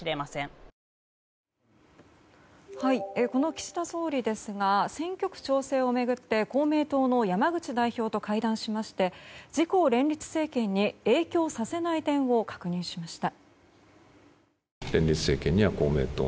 岸田総理ですが選挙区調整を巡って公明党の山口代表と会談しまして自公連立政権に影響させない点を確認しました。